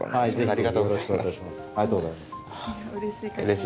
ありがとうございます。